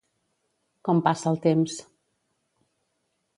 Com passa el temps.